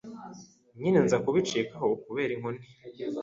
nyine nza kubicikaho kubera inkoni